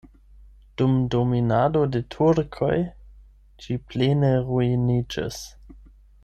Dum dominado de turkoj ĝi plene ruiniĝis.